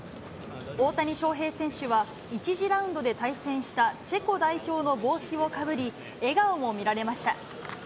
大谷翔平選手は、１次ラウンドで対戦したチェコ代表の帽子をかぶり、笑顔も見られました。